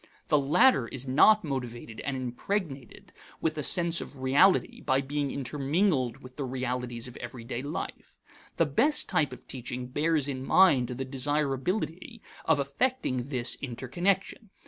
The latter is not motivated and impregnated with a sense of reality by being intermingled with the realities of everyday life. The best type of teaching bears in mind the desirability of affecting this interconnection.